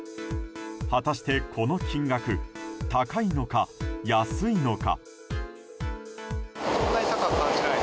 果たしてこの金額高いのか、安いのか。